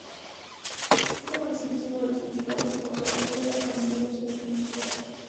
Este municipio es uno de los principales motores de la economía del sureste mexicano.